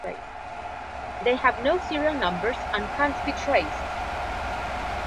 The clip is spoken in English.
they have no serial numbers and can’t be traced.